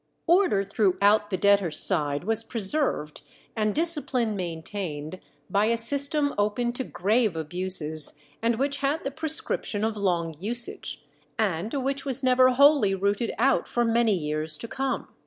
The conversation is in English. Order throughout the debtors' side was preserved and discipline maintained by a system open to grave abuses, and which had the prescription of long usage, and which was never wholly rooted out for many years to come.